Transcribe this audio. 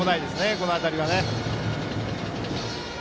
この当たりは。